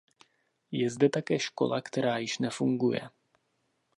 Je zde také škola která již nefunguje.